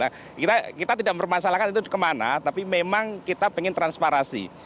dihitung gitu kita tidak mempermasalahkan itu kemana tapi memang kita pengen transparansi